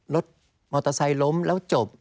รถมอเตอร์ไซค์ล้มแล้วจบ